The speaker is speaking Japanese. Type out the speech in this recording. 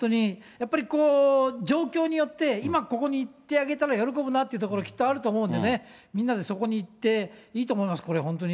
やっぱり状況によって今、ここに行ってあげたら喜ぶなっていう所がきっとあると思うので、みんなでそこに行っていいと思います、これ本当に。